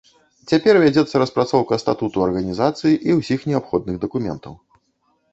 Цяпер вядзецца распрацоўка статуту арганізацыі і ўсіх неабходных дакументаў.